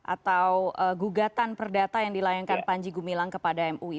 atau gugatan perdata yang dilayangkan panji gumilang kepada mui